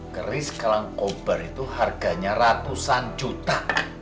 keris kalang obar itu harganya ratusan juta